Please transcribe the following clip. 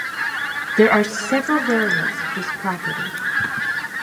There are several variants of this property.